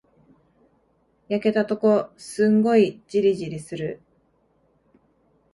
焼けたとこ、すんごいじりじりする。